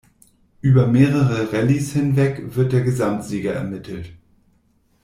Über mehrere Rallyes hinweg wird der Gesamtsieger ermittelt.